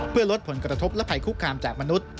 เพื่อลดผลกระทบและภัยคุกคามจากมนุษย์